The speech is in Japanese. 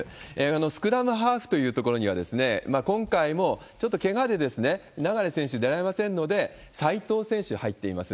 スクラムハーフという所には、今回もちょっとけがで流選手、出られませんので、斎藤選手が入っています。